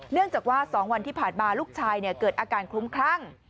เนื่องจากว่า๒วันที่ผ่านมาลูกชายเกิดอาการคลุ้มคลั่ง